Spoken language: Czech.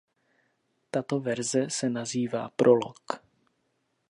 Tato verze se nazývá "Prolog".